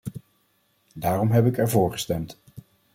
Daarom heb ik ervoor gestemd.